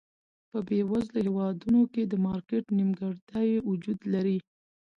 په بېوزلو هېوادونو کې د مارکېټ نیمګړتیاوې وجود لري.